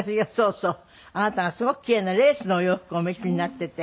あなたがすごく奇麗なレースのお洋服をお召しになっていて。